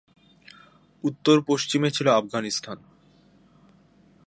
উত্তর পশ্চিমে ছিল আফগানিস্তান।